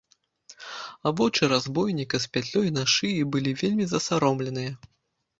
А вочы разбойніка з пятлёй на шыі былі вельмі засаромленыя.